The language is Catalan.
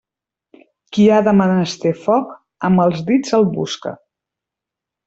Qui ha de menester foc, amb els dits el busca.